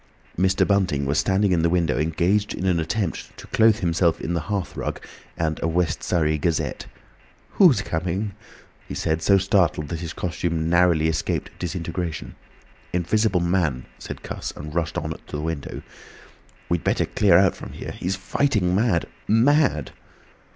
Mr. Bunting was standing in the window engaged in an attempt to clothe himself in the hearth rug and a West Surrey Gazette. "Who's coming?" he said, so startled that his costume narrowly escaped disintegration. "Invisible Man," said Cuss, and rushed on to the window. "We'd better clear out from here! He's fighting mad! Mad!"